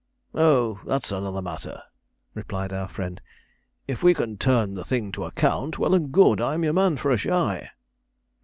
'Oh, that's another matter,' replied our friend; 'if we can turn the thing to account, well and good I'm your man for a shy.'